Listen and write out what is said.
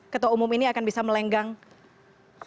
ketua umum ini akan bisa melenggang